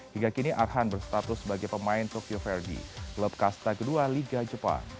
hingga kini arhan berstatus sebagai pemain tokyo verde klub kasta kedua liga jepang